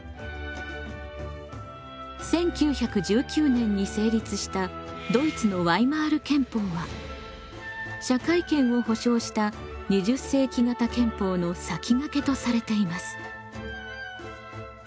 １９１９年に成立したドイツのワイマール憲法は社会権を保障した２０世紀型憲法の先がけとされています。